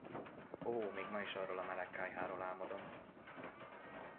Ó, még ma is arról a meleg kályháról álmodom!